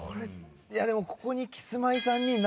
いやでもここにキスマイ。